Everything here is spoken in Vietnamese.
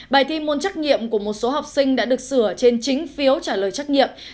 bài thi môn trắc nghiệm của một số học sinh đã được sửa trên chính phiếu trả lời trách nhiệm